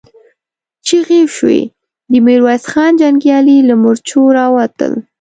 چيغې شوې، د ميرويس خان جنګيالي له مورچو را ووتل.